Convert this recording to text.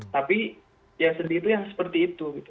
tapi yang sedih itu yang seperti itu